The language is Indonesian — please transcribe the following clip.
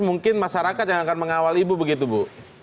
mungkin masyarakat yang akan mengawal ibu begitu bu